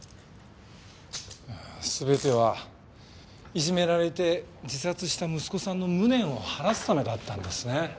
全てはいじめられて自殺した息子さんの無念を晴らすためだったんですね。